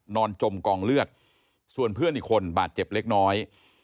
จมกองเลือดส่วนเพื่อนอีกคนบาดเจ็บเล็กน้อย